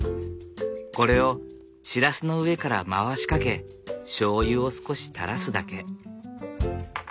これをシラスの上から回しかけしょうゆを少したらすだけ。